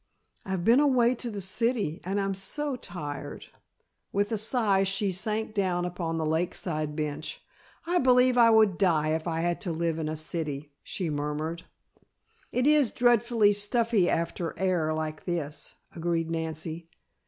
"I've been away, to the city, and I'm so tired!" With a sigh she sank down upon the lake side bench. "I believe I would die if I had to live in a city," she murmured. "It is dreadfully stuffy after air like this," agreed Nancy.